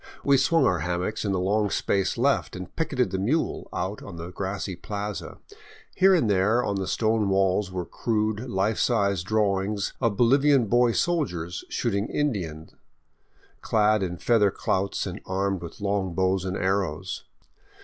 We swung our hammocks in the long space left and picketed the mule out on the grassy plaza. Here and there on the stone walls were crude, life size drawings of Bolivian boy soldiers shooting Indian^, clad in feather clouts and armed with long bows and arrows.